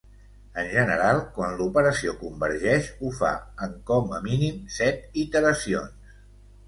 En general, quan l'operació convergeix ho fa en com a mínim set iteracions.